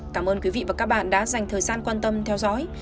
cảm ơn quý vị và các bạn đã dành thời gian quan tâm theo dõi